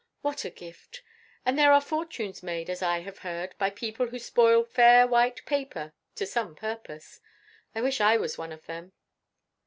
What a gift! And there are fortunes made, as I have heard, by people who spoil fair white paper to some purpose. I wish I was one of them."